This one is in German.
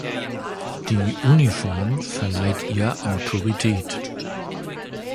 Die Uniform verleiht ihr Autorität.